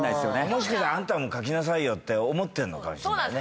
もしかしたらあんたも書きなさいよって思ってんのかもそうなんです